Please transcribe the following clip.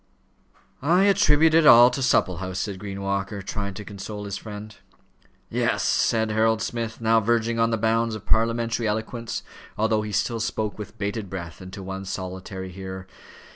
"I attribute it all to Supplehouse," said Green Walker, trying to console his friend. "Yes," said Harold Smith, now verging on the bounds of parliamentary eloquence, although he still spoke with bated breath, and to one solitary hearer.